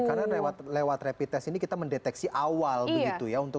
karena lewat rapid test ini kita mendeteksi awal gitu ya